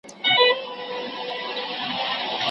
د بیکارۍ کچه په ټولنه کي کمه کړئ.